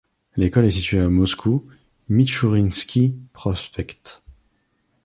L'école est située à Moscou, Mitchourinski Prospekt.